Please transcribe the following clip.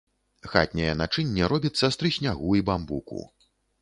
Хатняе начынне робіцца з трыснягу і бамбуку.